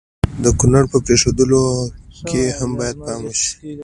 د کړنو په پرېښودلو کې هم باید پام وشي.